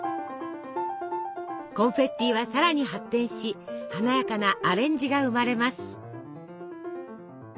コンフェッティはさらに発展し華やかなアレンジが生まれます。